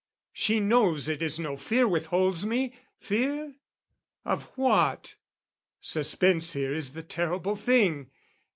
"She knows it is no fear withholds me: fear? "Of what? Suspense here is the terrible thing.